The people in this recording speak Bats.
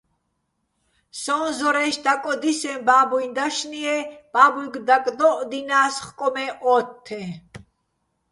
სოჼ ზორე́ჲში̆ დაკოდისეჼ ბა́ბუჲჼ დაშნი-ჲე́ ბაბუჲგო̆ დაკდო́ჸდინას ხკო მე ოთთეჼ.